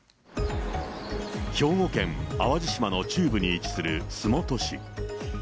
兵庫県淡路島の中部に位置する洲本市。